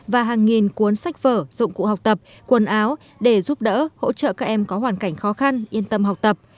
và hàng nghìn cuốn sách vở dụng cụ học tập quần áo để giúp đỡ hỗ trợ các em có hoàn cảnh khó khăn yên tâm học tập